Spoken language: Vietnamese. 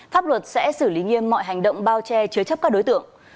pháp luật sẽ xử lý nghiêm mọi hành động bao che chứa chấp các đối tượng